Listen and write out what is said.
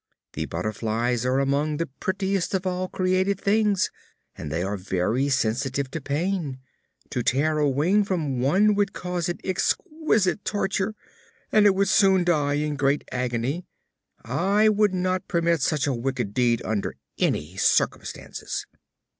"The butterflies are among the prettiest of all created things, and they are very sensitive to pain. To tear a wing from one would cause it exquisite torture and it would soon die in great agony. I would not permit such a wicked deed under any circumstances!"